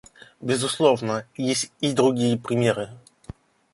Безусловно, есть и другие примеры.